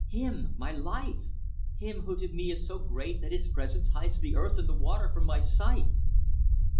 Him! My life! Him who to me is so great that his presence hides the earth and the water from my sight!"